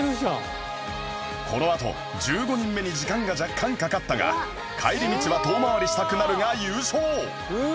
このあと１５人目に時間が若干かかったが『帰り道は遠回りしたくなる』が優勝！